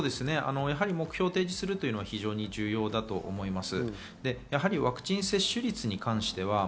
目標を提示するというのは重要だと思います。